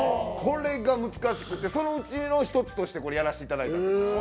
これが難しくてそのうちの１つとして、これをやらせていただいたんです。